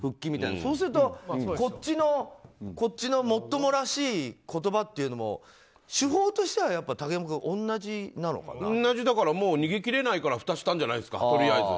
そうするとこっちのもっともらしい言葉っていうのも手法としては、竹山君もう逃げきれないからふたしたんじゃないですかとりあえず。